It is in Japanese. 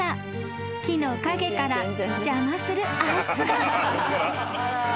［木の陰から邪魔するあいつが］